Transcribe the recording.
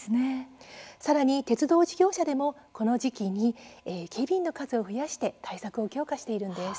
さらに、鉄道事業者でもこの時期に警備員の数を増やして対策を強化しているんです。